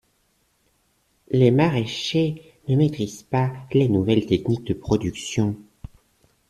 Les maraichers ne maitrisent pas les nouvelles techniques de production.